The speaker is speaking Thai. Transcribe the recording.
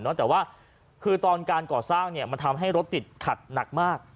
แต่ว่าคือตอนการก่อสร้างเนี่ยมันทำให้รถติดขัดหนักมาก